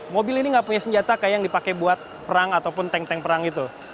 mobil ini nggak punya senjata kayak yang dipakai buat perang ataupun tank tank perang itu